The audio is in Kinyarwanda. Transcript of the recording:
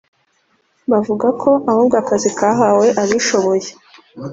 Bavuga ko ahubwo akazi kahawe abishoboye